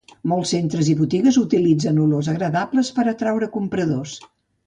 Molts centres i botigues utilitzen olors agradables per atraure compradors